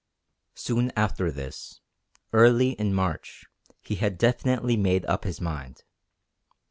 Soon after this, early in March, he had definitely made up his mind.